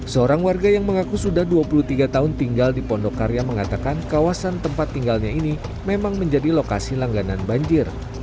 seorang warga yang mengaku sudah dua puluh tiga tahun tinggal di pondokarya mengatakan kawasan tempat tinggalnya ini memang menjadi lokasi langganan banjir